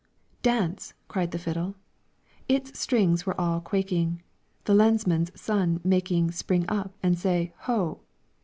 "Dance!" cried the fiddle; Its strings all were quaking, The lensmand's son making Spring up and say "Ho!"